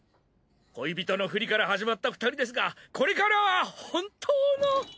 恋人のフリから始まった２人ですがこれからは本当の。